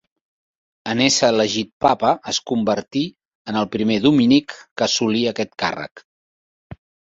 En ésser elegit papa, es convertí en el primer dominic que assolí aquest càrrec.